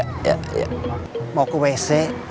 mau ke wc mulus bang boleh bang